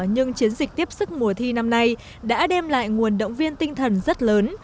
nhưng chiến dịch tiếp sức mùa thi năm nay đã đem lại nguồn động viên tinh thần rất lớn